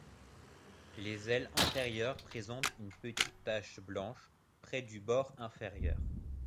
Les ailes antérieures présentent une petite tache blanche près du bord inférieur.